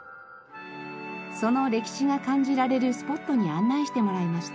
その歴史が感じられるスポットに案内してもらいました。